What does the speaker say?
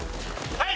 はい！